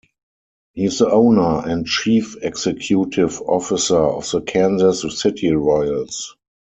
He is the owner and chief executive officer of the Kansas City Royals.